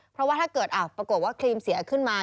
เพราะว่าถ้าเกิดปรากฏว่าครีมเสียขึ้นมา